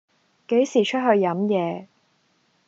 幾時出去飲野